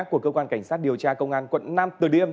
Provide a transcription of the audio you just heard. của cơ quan cảnh sát điều tra công an quận năm từ điêm